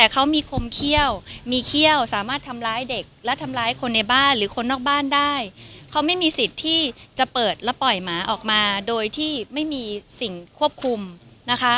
เขามีคมเขี้ยวมีเขี้ยวสามารถทำร้ายเด็กและทำร้ายคนในบ้านหรือคนนอกบ้านได้เขาไม่มีสิทธิ์ที่จะเปิดและปล่อยหมาออกมาโดยที่ไม่มีสิ่งควบคุมนะคะ